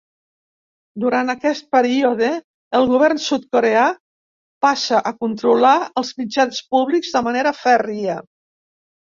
Durant aquest període el govern sud-coreà passa a controlar els mitjans públics de manera fèrria.